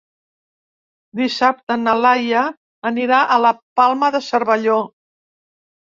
Dissabte na Laia anirà a la Palma de Cervelló.